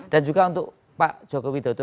dan juga untuk pak joko widodo